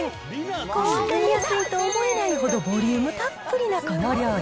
こんなに安いと思えないほどボリュームたっぷりなこの料理。